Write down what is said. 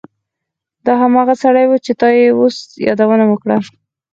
دا هماغه سړی و چې تا یې اوس یادونه وکړه